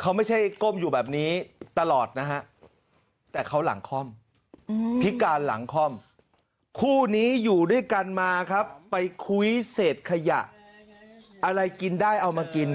เขาไม่ใช่ก้มอยู่แบบนี้ตลอดนะฮะแต่เขาหลังคล่อมพิการหลังคล่อมคู่นี้อยู่ด้วยกันมาครับไปคุ้ยเศษขยะอะไรกินได้เอามากิน